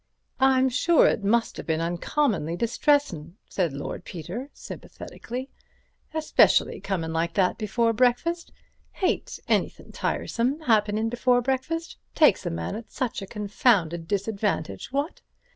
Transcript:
"I'm sure it must have been uncommonly distressin'," said Lord Peter, sympathetically, "especially comin' like that before breakfast. Hate anything tiresome happenin' before breakfast. Takes a man at such a confounded disadvantage, what?"